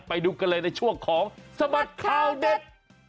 ไปดูกันเลยในช่วงของสบัดข่าวเด็ด